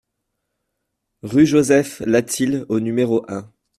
Rue Joseph Latil au numéro un